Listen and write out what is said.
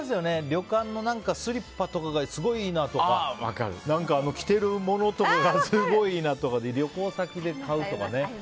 旅館のスリッパとかがすごいいいなとか着てるものとかすごくいいなとかで旅行先で買うとかね。